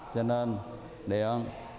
cho nên đi ăn